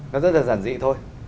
nó rất là giản dị thôi